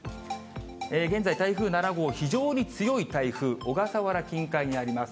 現在、台風７号、非常に強い台風、小笠原近海にあります。